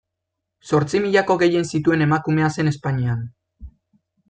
Zortzimilako gehien zituen emakumea zen Espainian.